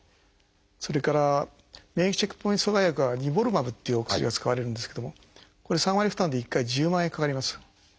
それから免疫チェックポイント阻害薬は「ニボルマブ」というお薬が使われるんですけどもこれ３割負担で１回１０万円かかります。